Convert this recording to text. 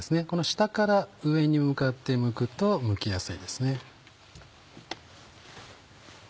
下から上に向かってむくとむきやすいですね。